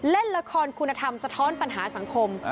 เล่นละครคุณธรรมสะท้อนปัญหาสังคม